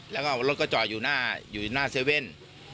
แล้วก็รถก็จอดอยู่หน้าเซเว่น